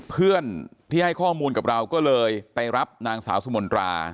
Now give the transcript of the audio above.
เพื่อนที่ให้ข้อมูลกับเราก็เลยไปรับนางสาวสุมนตรา